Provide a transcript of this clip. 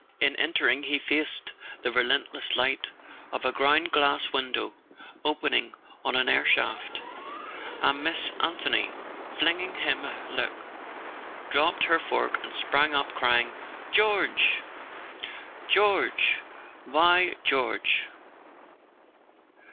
In entering he faced the relentless light of a ground glass window opening on an air shaft; and Miss Anthony, flinging him a look, dropped her fork and sprang up crying: "George " "George—why George?"